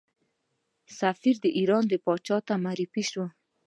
سفیر د ایران پاچا ته معرفي شو.